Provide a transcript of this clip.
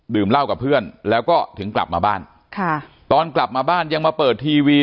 เหล้ากับเพื่อนแล้วก็ถึงกลับมาบ้านค่ะตอนกลับมาบ้านยังมาเปิดทีวี